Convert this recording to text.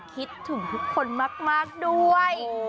คิดถึงทุกคนมากด้วย